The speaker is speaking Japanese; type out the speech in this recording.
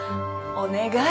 お願い。